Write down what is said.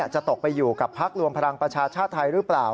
จะตกไปอยู่กับพักรวมพลังประชาชาติไทยหรือเปล่า